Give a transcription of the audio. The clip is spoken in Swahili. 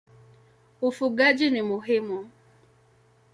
Ufugaji ni muhimu.